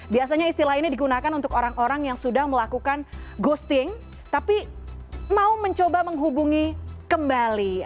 biasanya istilah ini digunakan untuk orang orang yang sudah melakukan ghosting tapi mau mencoba menghubungi kembali